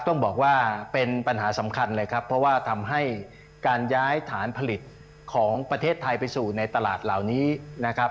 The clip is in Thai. ต้องบอกว่าเป็นปัญหาสำคัญเลยครับเพราะว่าทำให้การย้ายฐานผลิตของประเทศไทยไปสู่ในตลาดเหล่านี้นะครับ